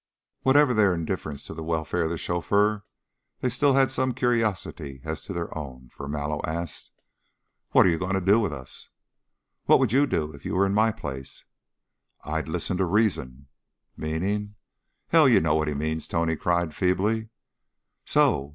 Whatever their indifference to the welfare of the chauffeur, they still had some curiosity as to their own, for Mallow asked: "What are you going to do with us?" "What would you do, if you were in my place?" "I'd listen to reason." "Meaning ?" "Hell! You know what he means," Tony cried, feebly. "So!